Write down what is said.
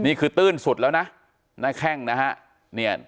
นี่คือตื้นสุดแล้วนะหน้าแข้งนะฮะเนี่ย